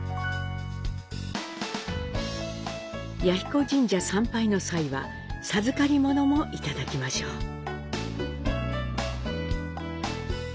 彌彦神社参拝の際は、授かり物もいただきましょう。